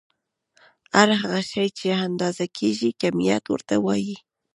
هر هغه شی چې اندازه کيږي کميت ورته وايې.